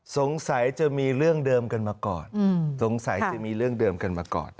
สงสัยจะมีเรื่องเดิมกันมาก่อน